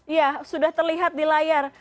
ya sudah terlihat di layar